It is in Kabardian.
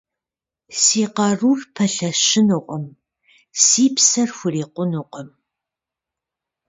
Си къарур пэлъэщынукъым, си псэр хурикъунукъым.